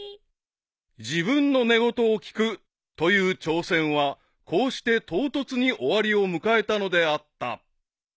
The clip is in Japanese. ［自分の寝言を聞くという挑戦はこうして唐突に終わりを迎えたのであった］